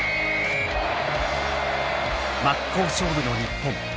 真っ向勝負の日本。